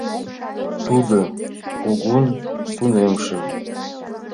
Тудо кугун тунемше.